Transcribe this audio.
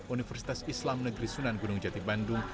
universitas islam negeri sunan gunung jati bandung